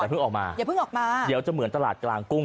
อย่าเพิ่งออกมาเดี๋ยวจะเหมือนตลาดกลางกุ้ง